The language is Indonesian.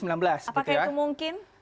apakah itu mungkin